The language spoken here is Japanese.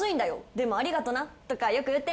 「でもありがとな」とかよく言ってるもんな。